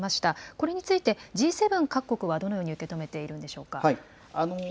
これについてＧ７各国はどのように受け止めているんでしょうか。